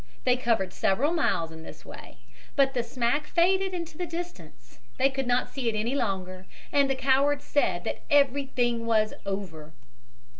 They covered several miles in this way but the smack faded into the distance. They could not see it any longer. And the coward said that everything was over.